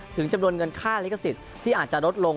จำนวนเงินค่าลิขสิทธิ์ที่อาจจะลดลง